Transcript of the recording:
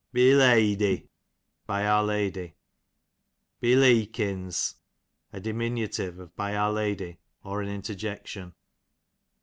Beleady, by our lady. Beleakins, a diminutive of by our lady, or an interjection.